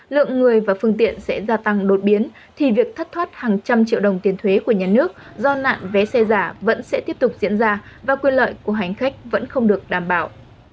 lượng người và phương tiện sẽ gia tăng đột biến thì việc thất thoát hàng trăm triệu đồng tiền thuế của nhà nước do nạn vé xe giả vẫn sẽ tiếp tục diễn ra và quyền lợi của hành khách vẫn không được đảm bảo